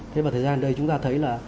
thế vào thời gian đây chúng ta thấy là